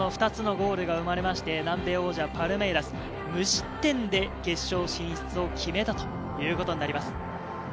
２つのゴールが生まれまして、南米王者パルメイラス、無失点で決勝進出を決めたということになります。